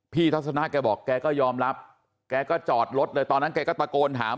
ทัศนะแกบอกแกก็ยอมรับแกก็จอดรถเลยตอนนั้นแกก็ตะโกนถาม